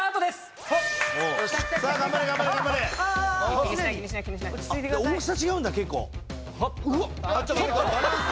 大きさ違うんだ結構。